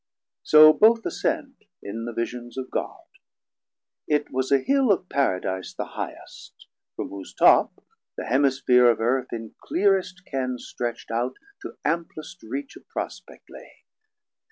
So both ascend In the Visions of God: It was a Hill Of Paradise the highest, from whose top The Hemisphere of Earth in cleerest Ken Stretcht out to amplest reach of prospect lay.